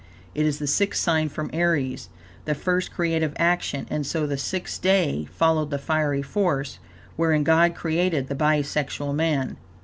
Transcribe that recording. It is the sixth sign from Aries, the first creative action, and so the sixth day following the fiery force, wherein God created the bi sexual man.